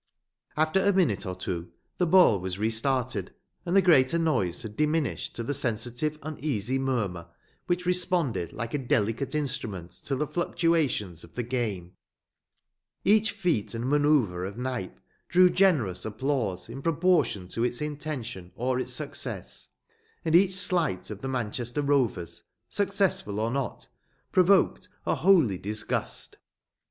After a minute or two the ball was restarted, and the greater noise had diminished to the sensitive uneasy murmur which responded like a delicate instrument to the fluctuations of the game. Each feat and manoeuvre of Knype drew generous applause in proportion to its intention or its success, and each sleight of the Manchester Rovers, successful or not, provoked a holy disgust.